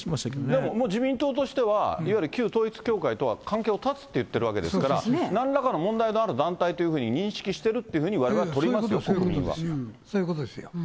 でも自民党としては、いわゆる旧統一教会とは関係を断つって言ってるわけですから、なんらかの問題のある団体というふうに認識してるっていうふうに、そういうことですよ。